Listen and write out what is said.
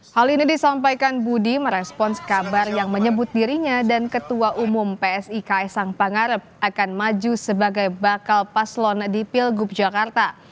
hal ini disampaikan budi merespons kabar yang menyebut dirinya dan ketua umum psi ks sang pangarep akan maju sebagai bakal paslon di pilgub jakarta